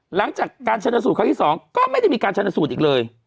หลังจากการชนสูตรครั้งที่๒ก็ไม่ได้มีการชนสูตรอีกเลย